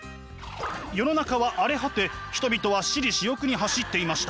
世の中は荒れ果て人々は私利私欲に走っていました。